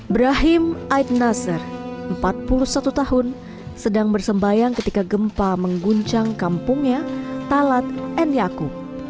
brahim aid naser empat puluh satu tahun sedang bersembayang ketika gempa mengguncang kampungnya talat eniaku